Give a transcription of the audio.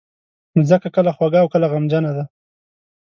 مځکه کله خوږه او کله غمجنه ده.